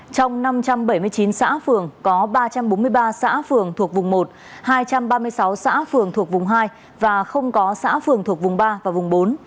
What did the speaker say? trong năm trăm bảy mươi chín xã phường có ba trăm bốn mươi ba xã phường thuộc vùng một hai trăm ba mươi sáu xã phường thuộc vùng hai và không có xã phường thuộc vùng ba và vùng bốn